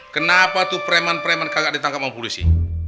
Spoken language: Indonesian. kenapa tuh preman kagak ditangkap oleh polisi